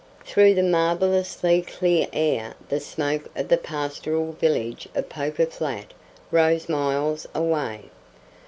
Through the marvelously clear air the smoke of the pastoral village of Poker Flat rose miles away.